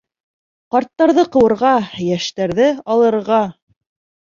Ҡарттарҙы ҡыуырға, йәштәрҙе алырға!